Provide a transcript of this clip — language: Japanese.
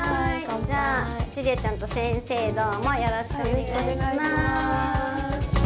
じゃあジュリアちゃんと先生どうもよろしくお願いします。